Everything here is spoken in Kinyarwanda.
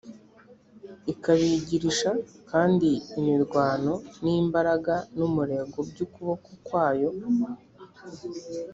ikabigirisha kandi imirwano, n’imbaraga n’umurego by’ukuboko kwayo